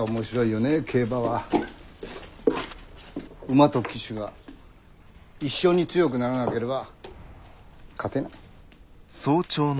馬と騎手が一緒に強くならなければ勝てない。